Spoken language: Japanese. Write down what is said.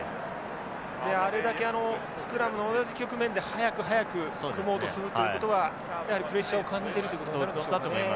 あれだけスクラムの同じ局面で早く早く組もうとするということはやはりプレッシャーを感じているということになるんでしょうね。